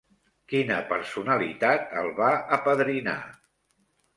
Quina personalitat el va apadrinar?